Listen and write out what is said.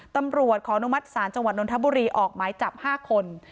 ตำรวจขออนุมัติศาลจังหวัดนทบุรีออกหมายจับ๕คน